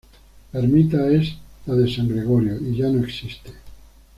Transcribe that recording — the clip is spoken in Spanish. La ermita es la de San Gregorio, y ya no existe.